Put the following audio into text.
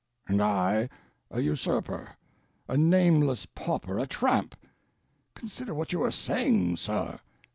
"And I a usurper—a—nameless pauper, a tramp! Consider what you are saying, sir."